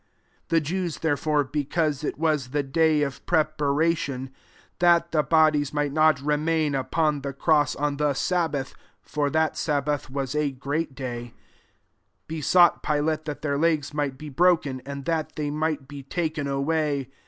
31 The Jews, therefore, be cause it was the day of prepa ration, that the bodies might not remain upon the cross on the sabbath, (for that sabbath was a great day,) besought Pi late that their legs might be broken, and that they might be ^ken away.